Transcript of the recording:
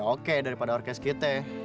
ya oke daripada orkest kita